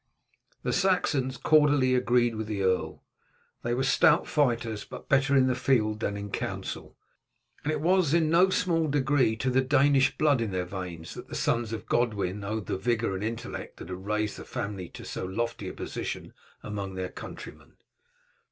The Saxons cordially agreed with the earl. They were stout fighters, but better in the field than in council, and it was in no small degree to the Danish blood in their veins that the sons of Godwin owed the vigour and intellect that had raised the family to so lofty a position among their countrymen.